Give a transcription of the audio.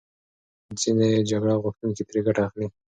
ځینې جګړه غوښتونکي ترې ګټه اخلي.